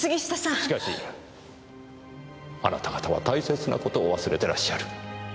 しかしあなた方は大切な事を忘れてらっしゃる。